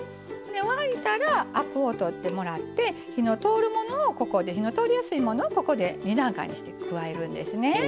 沸いたらアクを取ってもらって火の通るものをここで火の通りやすいものをここで２段階にして加えるんですね。